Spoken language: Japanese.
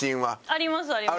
ありますあります。